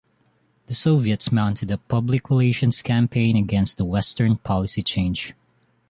The Soviets mounted a public relations campaign against the Western policy change.